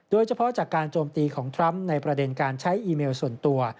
โดยเฉพาะจากการโจมตีของทรัมป์ในประเด็นการใช้อีเมลส่วนตัว